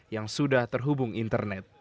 yang sudah terhubungkan